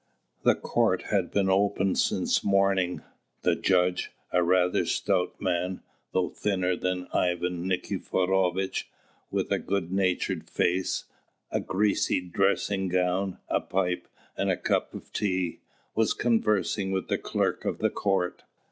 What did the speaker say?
The court had been open since morning. The judge, a rather stout man, though thinner than Ivan Nikiforovitch, with a good natured face, a greasy dressing gown, a pipe, and a cup of tea, was conversing with the clerk of the court.